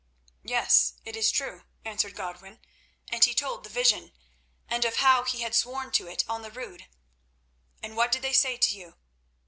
"Yes, it is true," answered Godwin, and he told the vision, and of how he had sworn to it on the Rood. "And what did they say to you?"